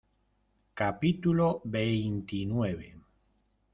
capítulo veintinueve.